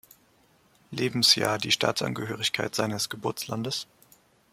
Lebensjahr die Staatsangehörigkeit seines Geburtslandes.